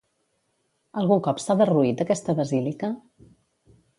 Algun cop s'ha derruït aquesta basílica?